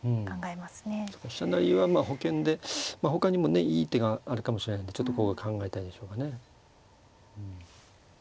飛車成りはまあ保険でほかにもねいい手があるかもしれないんでちょっとここ考えたいでしょうかね。